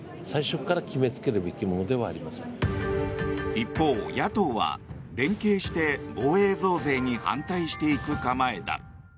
一方、野党は連携して防衛増税に反対していく構えだ。